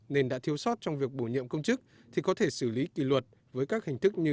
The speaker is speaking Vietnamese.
nên đã thiếu sót trong việc bổ nhiệm công chức thì có thể xử lý kỷ luật với các hình thức như